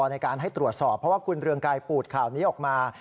ในการให้ตรวจสอบเพราะว่าคุณเรืองไกรปูดข่าวนี้ออกมา